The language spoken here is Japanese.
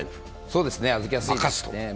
そうですね、預けやすいですね。